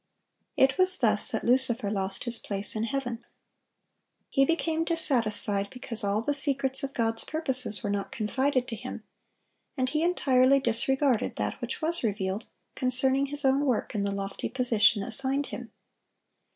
It was thus that Lucifer lost his place in heaven. He became dissatisfied because all the secrets of God's purposes were not confided to him, and he entirely disregarded that which was revealed concerning his own work in the lofty position assigned him.